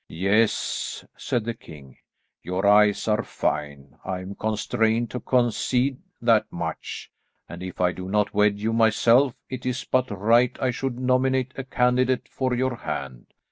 "Yes," said the king, "your eyes are fine. I am constrained to concede that much, and if I do not wed you myself it is but right I should nominate a candidate for your hand.